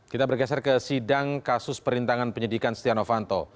kita bergeser ke sidang kasus perintangan penyidikan stianovanto